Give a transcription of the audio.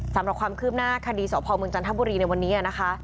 สำหรับความคืบหน้าคดีสพเมืองจันทบุรีในวันนี้นะคะ